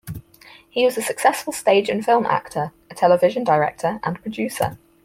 He was a successful stage and film actor, a television director and producer.